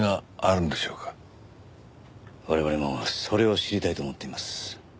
我々もそれを知りたいと思っています。